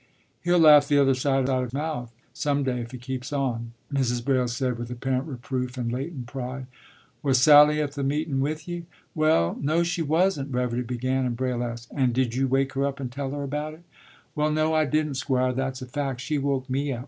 ” “He'll laugh the other side of his mouth, some day, if he keeps on,” Mrs. Braile said with apparent reproof and latent pride. “Was Sally at the meetin' with you?” “Well, no, she wasn't,” Reverdy began, and Braile asked: “And did you wake her up and tell her about it?” “Well, no, I didn't, Squire, that's a fact. She woke me up.